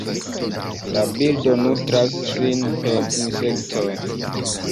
La birdo nutras sin per insektoj.